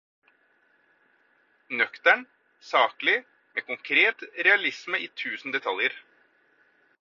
Nøkternt, saklig, med konkret realisme i tusen detaljer.